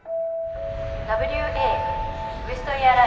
「ＷＡウエストエアライン８４２